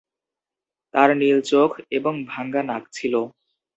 তার নীল চোখ এবং ভাঙ্গা নাক ছিল।